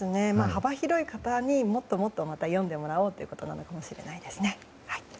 幅広い方にもっと詠んでもらおうということかもしれないですね。